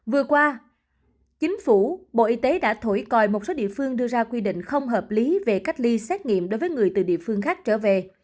vừa qua chính phủ bộ y tế đã thổi còi một số địa phương đưa ra quy định không hợp lý về cách ly xét nghiệm đối với người từ địa phương khác trở về